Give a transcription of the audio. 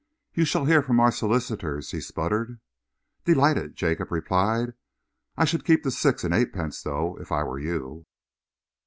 "You shall hear from our solicitors," he spluttered. "Delighted!" Jacob replied. "I should keep the six and eightpence, though, if I were you."